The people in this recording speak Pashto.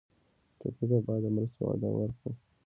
ټپي ته باید د مرستې وعده وکړو.